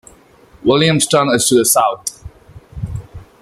Williamston is to the south.